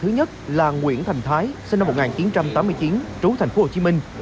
thứ nhất là nguyễn thành thái sinh năm một nghìn chín trăm tám mươi chín trú thành phố hồ chí minh